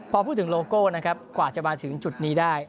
พอพูดถึงโลโก้นะครับกว่าจะมาถึงจุดนี้ได้